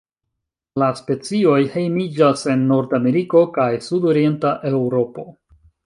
La specioj hejmiĝas en Nordameriko kaj sudorienta Eŭropo.